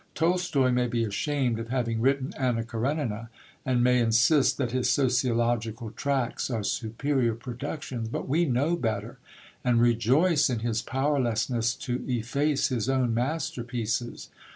Tolstoi may be ashamed of having written Anna Karenina, and may insist that his sociological tracts are superior productions, but we know better; and rejoice in his powerlessness to efface his own masterpieces.